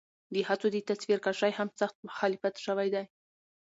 د هڅو د تصويرکشۍ هم سخت مخالفت شوے دے